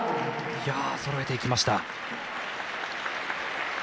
そろえていきました。